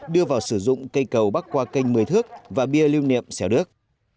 đưa vào sử dụng cây cầu bắc qua cây mười thước và bia lương niệm sẻo đức